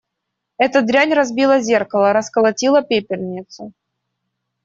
Эта дрянь разбила зеркало, расколотила пепельницу.